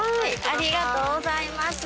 ありがとうございます。